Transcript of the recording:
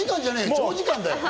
長時間だよ！